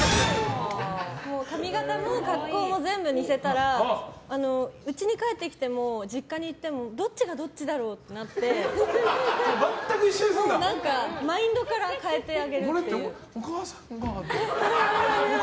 髪形も格好も全部似せたらうちに帰ってきても実家に行ってもどっちがどっちだろうとなってお母さんはって？